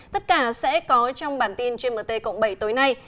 tất cả sẽ có trong bản tin trên mt cộng bảy tối nay